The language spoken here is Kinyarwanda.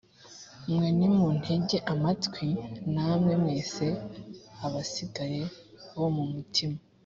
mwe nimuntege amatwi namwe mwese abasigaye bo mumutima